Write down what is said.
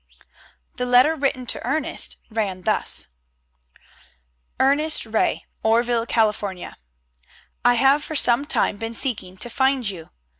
The letter written to Ernest ran thus: Ernest Ray, Oreville, California: I have for some time been seeking to find you.